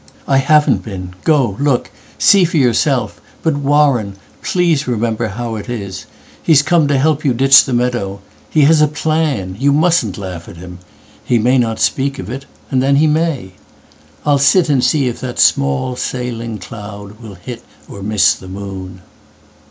"I haven't been. Go, look, see for yourself. But, Warren, please remember how it is:He's come to help you ditch the meadow. He has a plan. You mustn't laugh at him. He may not speak of it, and then he may. I'll sit and see if that small sailing cloudWill hit or miss the moon."